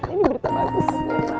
ini berita bagus